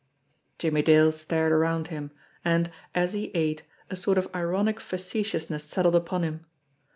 Jimmie Dale stared around him, and, as he ate, a sort of ironic facetiousness settled upon him.